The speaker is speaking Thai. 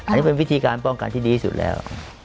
อันนี้เป็นวิธีการป้องกันที่ดีที่สุดแล้ว